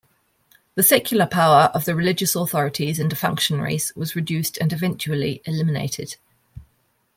The secular power of the religious authorities and functionaries was reduced and eventually eliminated.